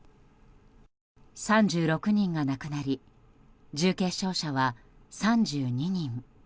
３６人が亡くなり重軽傷者は３２人。